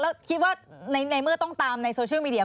แล้วคิดว่าในเมื่อต้องตามในโซเชียลมีเดีย